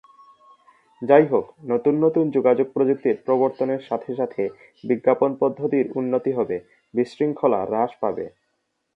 যাইহোক, নতুন নতুন যোগাযোগ প্রযুক্তি প্রবর্তনের সাথে সাথে বিজ্ঞাপন পদ্ধতির উন্নতি হবে, বিশৃঙ্খলা হ্রাস পাবে।